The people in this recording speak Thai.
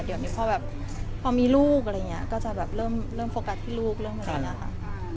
เดี๋ยวนี้พอแบบพอมีลูกอะไรอย่างนี้ก็จะแบบเริ่มโฟกัสที่ลูกเริ่มอะไรอย่างนี้ค่ะ